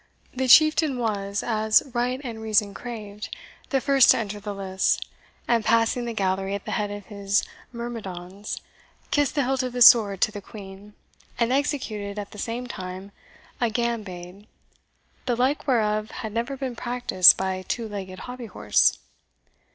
This chieftain was, as right and reason craved, the first to enter the lists, and passing the Gallery at the head of his myrmidons, kissed the hilt of his sword to the Queen, and executed at the same time a gambade, the like whereof had never been practised by two legged hobby horse.